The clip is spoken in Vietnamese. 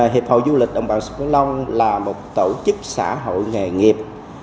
hiệp hội du lịch đồng bằng sông cửu long là một tổ chức xã hội nghề nghiệp